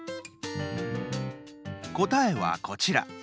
答えは、こちら。